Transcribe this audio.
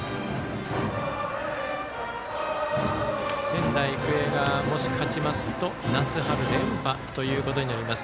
仙台育英が、もし勝ちますと夏春連覇ということになります。